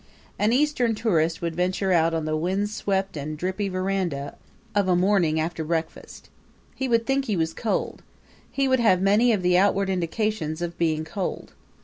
An Eastern tourist would venture out on the windswept and drippy veranda, of a morning after breakfast. He would think he was cold. He would have many of the outward indications of being cold.